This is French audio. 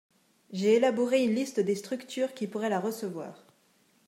J’ai élaboré une liste des structures qui pourrait la recevoir.